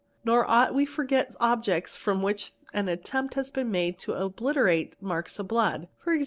Nor ought we to forget objects from which an attempt has been made to obliterate marks of blood, e.g.